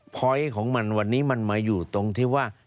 พอยต์ของมันวันนี้มันมาอยู่ตรงที่ว่า